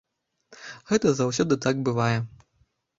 Гэта заўсёды так бывае.